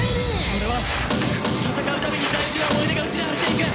俺は戦う度に大事な思い出が失われていく。